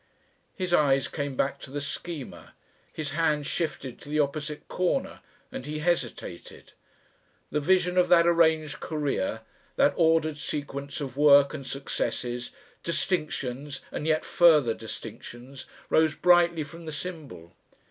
His eyes came back to the Schema. His hands shifted to the opposite corner and he hesitated. The vision of that arranged Career, that ordered sequence of work and successes, distinctions and yet further distinctions, rose brightly from the symbol.